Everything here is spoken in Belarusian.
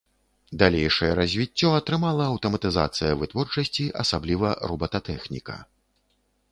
Далейшае развіццё атрымала аўтаматызацыя вытворчасці, асабліва робататэхніка.